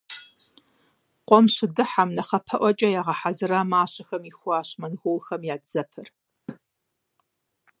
Къуэм щыдыхьэм, нэхъапэӏуэкӏэ ягъэхьэзыра мащэхэм ихуащ монголхэм я дзэпэр.